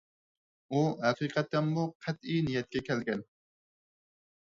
ئۇ ھەقىقەتەنمۇ قەتئىي نىيەتكە كەلگەن.